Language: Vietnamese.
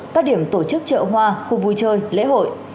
các điểm tổ chức chợ hoa khu vui chơi lễ hội